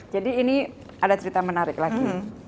jadi ini ada cerita menarik lagi